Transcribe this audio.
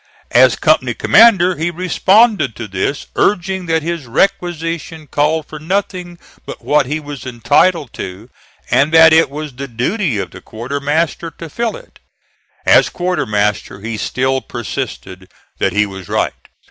As company commander he responded to this, urging that his requisition called for nothing but what he was entitled to, and that it was the duty of the quartermaster to fill it. As quartermaster he still persisted that he was right.